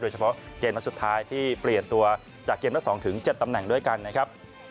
เฉพาะเกมนัดสุดท้ายที่เปลี่ยนตัวจากเกมละ๒๗ตำแหน่งด้วยกันนะครับ